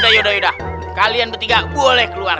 nah yaudah yudah kalian bertiga boleh keluar